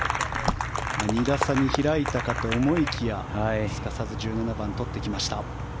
２打差に開いたかと思いきやすかさず１７番取ってきました。